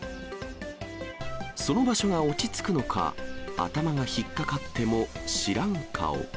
その場所が落ち着くのか、頭が引っ掛かっても、知らん顔。